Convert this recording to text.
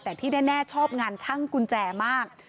แต่ที่แน่ชอบงานช่างกุญแจมาก